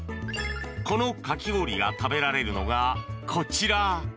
このかき氷が食べられるのがこちら。